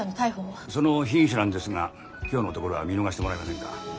その被疑者なんですが今日のところは見逃してもらえませんか。